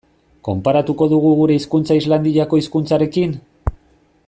Konparatuko dugu gure hizkuntza Islandiako hizkuntzarekin?